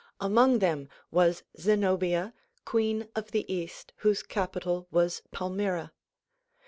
Among them was Zenobia queen of the east whose capitol was Palmyra.